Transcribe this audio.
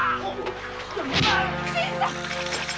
新さん！